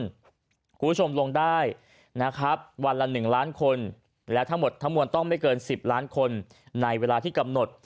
คุณผู้ชมลงได้นะครับวันละ๑ล้านคนและทั้งหมดทั้งมวลต้องไม่เกิน๑๐ล้านคนในเวลาที่กำหนด